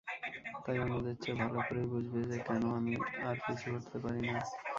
তাই অন্যদের চেয়ে ভালো করেই বুঝবে যে কেন আমি আর পিছু হটতে পারি না।